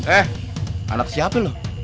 eh anak siapa lu